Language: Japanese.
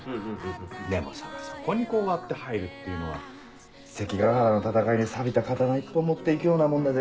でもさそこにこう割って入るっていうのは関ヶ原の戦いにさびた刀一本持って行くようなもんだぜ。